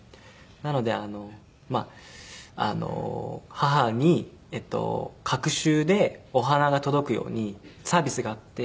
なので母に隔週でお花が届くようにサービスがあって。